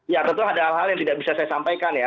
ya tentu ada hal hal yang tidak bisa saya sampaikan ya